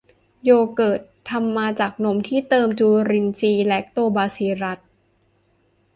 โยเกิร์ต ทำมาจากนมที่เติมจุลินทรีย์แลคโตบาซิลลัส